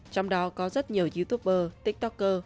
trong đó có rất nhiều youtuber tiktoker